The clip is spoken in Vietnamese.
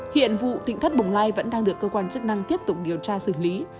hiện vụ tỉnh thất bồng lai vẫn đang được cơ quan chức năng tiếp tục điều tra xử lý